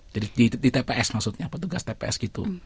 jadi di tps maksudnya petugas tps gitu